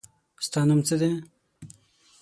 ستا نوم څه دی؟